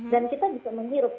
dan kita bisa menghirup